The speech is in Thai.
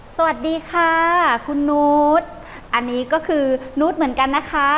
สวัสดีค่ะคุณนุษย์อันนี้ก็คือนุษย์เหมือนกันนะคะ